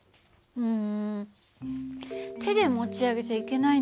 うん。